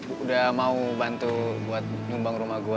udah mau bantu buat nyumbang rumah gue